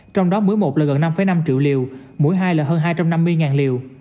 trong đó mũi một là gần năm năm triệu liều mũi hai là hơn hai trăm năm mươi liều